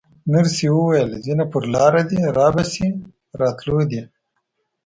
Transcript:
نرسې وویل: ځینې پر لاره دي، رابه شي، په راتلو دي.